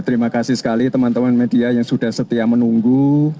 terima kasih sekali teman teman media yang sudah setia menunggu